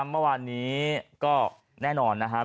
เมื่อวานนี้ก็แน่นอนนะครับ